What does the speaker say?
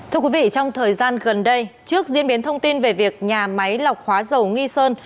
thưa quý vị trong thời gian gần đây trước diễn biến thông tin về việc nhà máy lọc hóa dầu nghi sơn